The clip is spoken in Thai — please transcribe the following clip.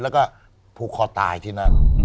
แล้วก็ผูกคอตายที่นั่น